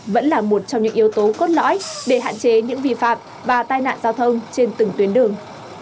vẫn là một trong những yếu tố cốt lõi để hạn chế những vi phạm và tai nạn giao thông trên từng tuyến đường